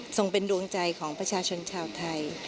เป็นดวงใจของประชาชนชาวไทย